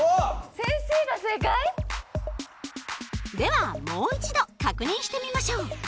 先生が正解？ではもう一度確認してみましょう。